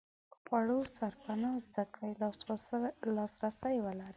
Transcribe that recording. خوړو سرپناه زده کړې لاس رسي ولري.